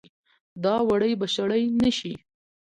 دا وړۍ به شړۍ نه شي